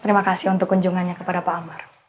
terima kasih untuk kunjungannya kepada pak amar